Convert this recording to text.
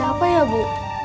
ada apa ya bu